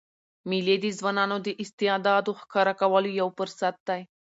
مېلې د ځوانانو د استعدادو ښکاره کولو یو فرصت يي.